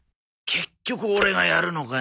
結局オレがやるのかよ。